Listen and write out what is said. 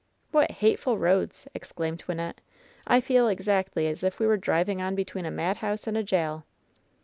"What hateful roads !" exclaimed Wynnette. "I feel exactly as if we were driving on between a madhouse and a jail